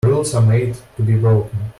Rules are made to be broken.